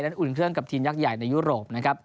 อุ่นเครื่องกับทีมยักษ์ใหญ่ในยุโรปนะครับ